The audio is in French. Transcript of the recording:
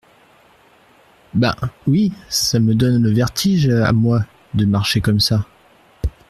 Ben ! oui, mais ça me donne le vertige, à moi, de marcher comme ça !